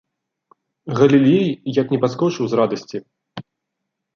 Галілей як не падскочыў з радасці.